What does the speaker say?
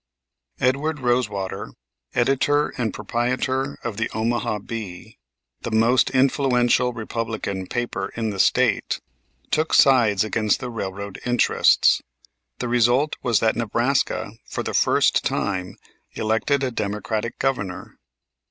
Edward Rosewater, editor and proprietor of the Omaha Bee, the most influential Republican paper in the State, took sides against the railroad interests. The result was that Nebraska, for the first time, elected a Democratic governor.